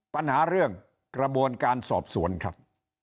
ปัญหาเรื่องกระบวนการสอบสวนครับ